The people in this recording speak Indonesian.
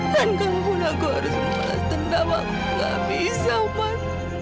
dan kalaupun aku harus memanaskan damaku gak bisa man